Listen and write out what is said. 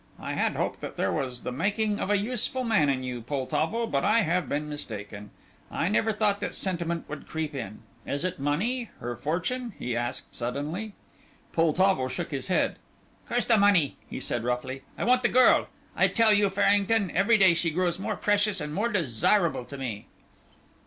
"I had hoped that there was the making of a useful man in you, Poltavo, but I have been mistaken. I never thought that sentiment would creep in. Is it money her fortune?" he asked, suddenly. Poltavo shook his head. "Curse the money," he said, roughly; "I want the girl. I tell you, Farrington, every day she grows more precious and more desirable to me."